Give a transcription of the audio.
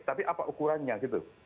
tapi apa ukurannya gitu